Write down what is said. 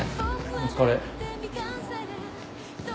お疲れ。